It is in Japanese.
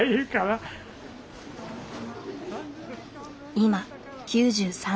今９３歳。